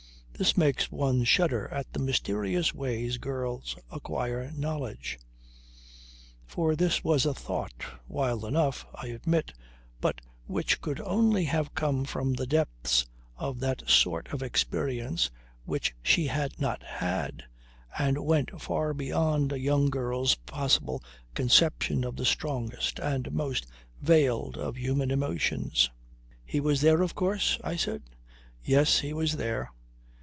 This makes one shudder at the mysterious ways girls acquire knowledge. For this was a thought, wild enough, I admit, but which could only have come from the depths of that sort of experience which she had not had, and went far beyond a young girl's possible conception of the strongest and most veiled of human emotions. "He was there, of course?" I said. "Yes, he was there."